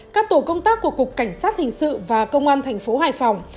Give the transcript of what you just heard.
các tổ công tác của cục cảnh sát hình sự và công an thành phố hải phòng